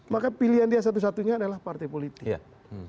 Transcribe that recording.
maka pilihan dia satu satunya adalah partai politik